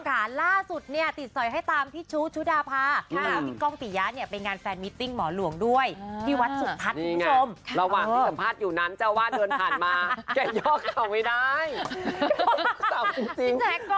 อะไรต้องเลยเข้าอย่างแหล่งรสค่ะคุณอย่างต้องเก็บเลยค่ะถ้าขาเจ็บอ่าโอเคยืนขึ้นมาก็ได้สุดสวยแล้ว